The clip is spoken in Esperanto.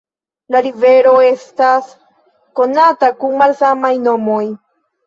La rivero estas konata kun malsamaj nomoj.